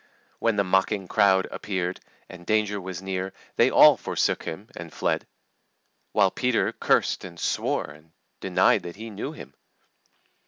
When the mocking crowd appeared, and danger was near, they all forsook Him, and fled; while Peter cursed and swore, and denied that he knew Him.